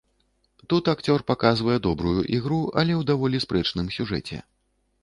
Тут акцёр паказвае добрую ігру, але ў даволі спрэчным сюжэце.